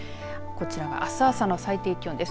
こちらはあす朝の最低気温です。